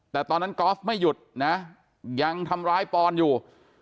แต่ตอนนั้นกอล์ฟไม่หยุดนะยังทำร้ายปอนอยู่